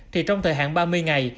thì trong thời hạn ba mươi ngày